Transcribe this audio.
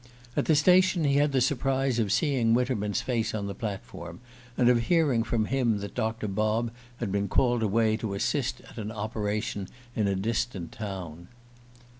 At the station he had the surprise of seeing Winterman's face on the platform, and of hearing from him that Doctor Bob had been called away to assist at an operation in a distant town.